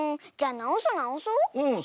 なおそうなおそう。